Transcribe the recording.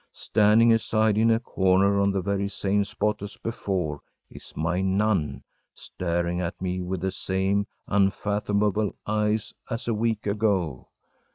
Standing aside in a corner, on the very same spot as before, is my nun, staring at me with the same unfathomable eyes as a week ago!